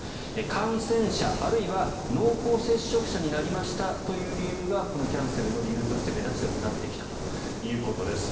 感染者あるいは濃厚接触者になりましたという理由がこのキャンセルの理由として目立つようになってきたということです。